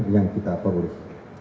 yang kita perulih